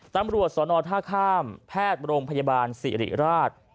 ตำรวจสนท่าข้ามแพทย์โรงพยาบาลสิริราช